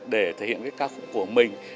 để thể hiện cái ca khúc của mình